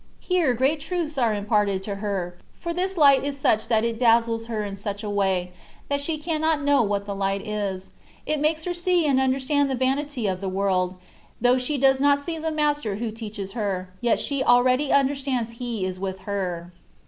Here great truths are imparted to her, for this light is such that it dazzles her in such a way, that she cannot know what the light is : it makes her see and understand the vanity of 254 CONCEPTIONS OF DIVINE LOVE. the world; though she does not see the master who teaches her^ yet she ahready understands He is with her.